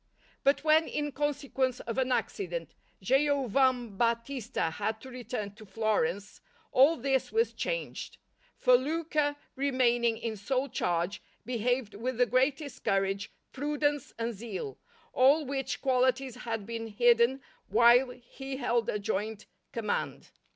But when, in consequence of an accident, Giovambattista had to return to Florence, all this was changed; for Luca, remaining in sole charge, behaved with the greatest courage, prudence, and zeal, all which qualities had been hidden while he held a joint command.